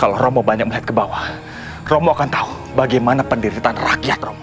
kalau romo banyak melihat ke bawah romo akan tahu bagaimana pendirian rakyat romo